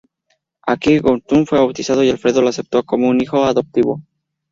Aquí Guthrum fue bautizado y Alfredo le aceptó como hijo adoptivo.